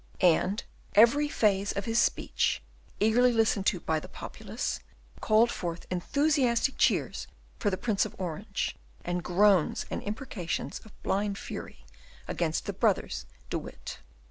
And every phase of his speech, eagerly listened to by the populace, called forth enthusiastic cheers for the Prince of Orange, and groans and imprecations of blind fury against the brothers De Witt.